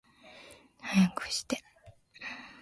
早くして